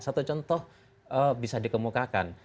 satu contoh bisa dikemukakan